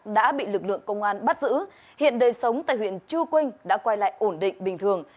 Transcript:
đã bị lực lượng công an bắt giữ hiện đời sống tại huyện chư quynh đã quay lại ổn định bình thường